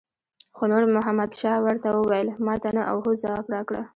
خو نور محمد شاه ورته وویل ماته نه او هو ځواب راکړه.